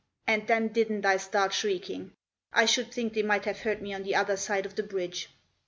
And then didn't I start shrieking ; I should think they might have heard me on the other side of the bridge.